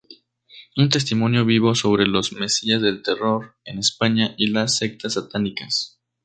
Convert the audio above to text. Un testimonio vivo sobre los mesías del terror en España" y "Las sectas satánicas.